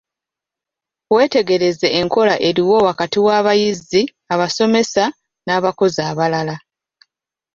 Wetegereza enkolagana eriwo wakati w'abayizi, abasomesa n'abakozi abalala.